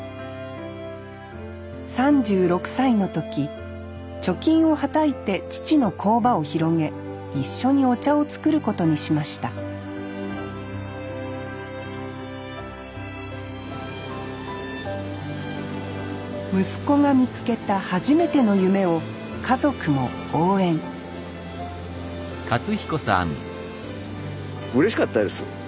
３６歳の時貯金をはたいて父の工場を広げ一緒にお茶を作ることにしました息子が見つけた初めての夢を家族も応援うれしかったです。